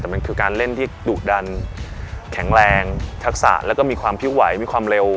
แต่มันคือการเล่นที่ดุดันแข็งแรงทักษะแล้วก็มีความพิ้วไหวมีความเร็ว